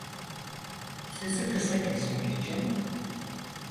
Sözü kısa kesmek için: